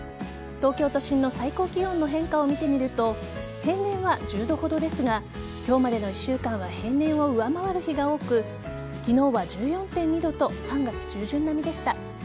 東京都心の最高気温の変化を見てみると平年は１０度ほどですが今日までの１週間は平年を上回る日が多く昨日は１４．２度と３月中旬並みでした。